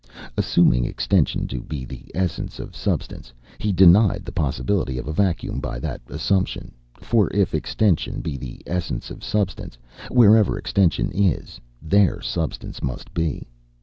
Assuming extension to be the essence of substance, he denied the possibility of a vacuum by that assumption; for if extension be the essence of substance, wherever extension is, there substance must be.